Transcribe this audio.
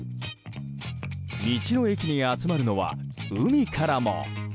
道の駅に集まるのは海からも。